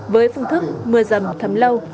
với phương thức mưa rầm thấm lâu